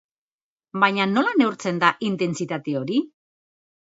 Baina nola neurtzen da intentsitate hori?